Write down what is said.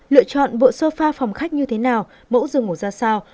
lựa chọn bộ sofa phòng khách như thế nào mẫu dường ngủ ra sao